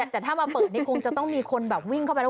แต่ถ้ามาเปิดนี่คงจะต้องมีคนแบบวิ่งเข้าไปแล้ว